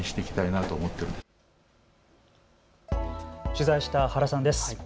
取材した原さんです。